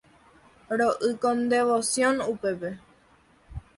Ro'y con devoción upépe.